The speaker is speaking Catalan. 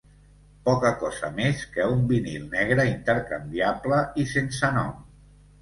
Poca cosa més que un vinil negre intercanviable i sense nom.